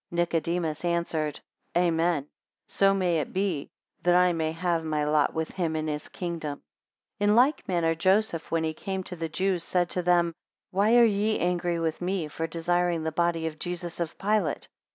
4 Nicodemus answered, Amen; so may it be, that I may have my lot with him in his kingdom. 5 In like manner Joseph, when he came to the Jews, said to them, Why are ye angry with me for desiring the body of Jesus of Pilate?